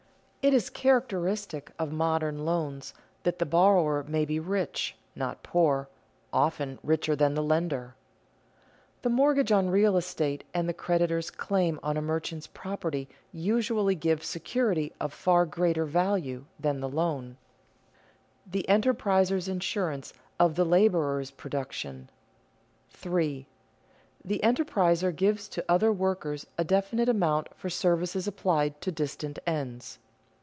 It is characteristic of modern loans that the borrower may be rich, not poor, often richer than the lender. The mortgage on real estate and the creditor's claim on a merchant's property usually give security of far greater value than the loan. [Sidenote: The enterpriser's insurance of the laborer's production] 3. _The enterpriser gives to other workers a definite amount for services applied to distant ends.